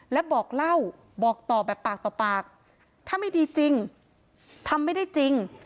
และบอกเล่าบอกต่อแบบปากต่อปากถ้าไม่ดีจริงทำไม่ได้จริง